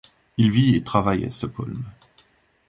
Il vit et travaille à Stockholm.